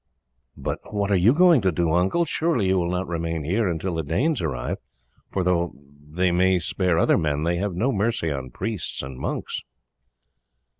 "But what are you going to do, uncle? Surely you will not remain here until the Danes arrive, for though they may spare other men they have no mercy on priests and monks?"